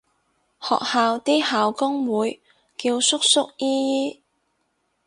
學校啲校工會叫叔叔姨姨